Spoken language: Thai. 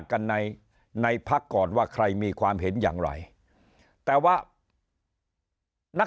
กันในในพักก่อนว่าใครมีความเห็นอย่างไรแต่ว่านัก